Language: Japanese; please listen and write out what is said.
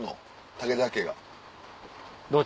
武田家が。